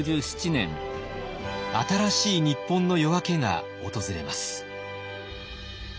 新しい日本の夜明けが訪れます。